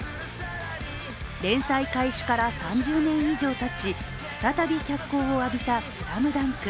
連載開始から３０年以上たち再び脚光を浴びた「ＳＬＡＭＤＵＮＫ」。